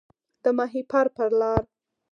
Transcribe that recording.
د ماهیپر په لار